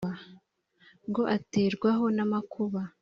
ngo atagerwaho n amakuba